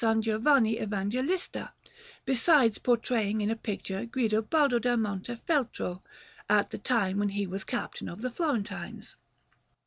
Giovanni Evangelista; besides portraying in a picture Guidobaldo da Montefeltro, at the time when he was Captain of the Florentines.